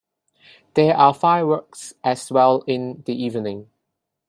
There are fireworks as well in the evening.